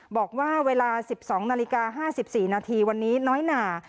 บอกว่าเวลาสิบสองนาฬิกาห้าสิบสี่นาทีวันนี้น้อยหน่า